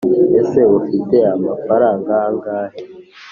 ese ufite amafaranga angahe